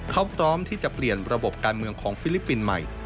เขาพร้อมที่จะเปลี่ยนระบบการเมืองของฟิลิปปินส์ใหม่